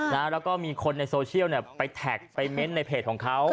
แล้วก็มีคนในโซเชียลเนี่ยไปแท็กไปเม้นต์ในเพจของเขา